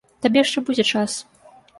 Табе яшчэ будзе час.